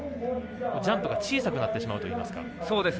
ジャンプが小さくなってしまうといいますか。